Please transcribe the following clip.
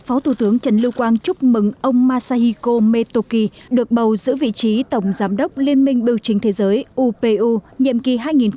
phó thủ tướng trần lưu quang chúc mừng ông masahiko metoki được bầu giữ vị trí tổng giám đốc liên minh biểu chính thế giới upu nhiệm kỳ hai nghìn hai mươi hai nghìn hai mươi năm